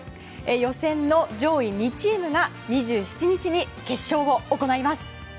予選の上位２チームが２７日に決勝を行います。